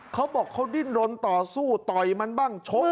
เขาบอกเขาดิ้นรนต่อสู้ต่อยมันบ้างชก